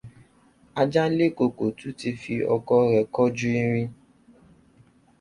Ajálékokò tún ti fi ọkọ rẹ̀ kọju irin.